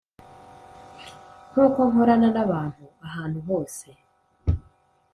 nkuko nkorana n'abantu ahantu hose;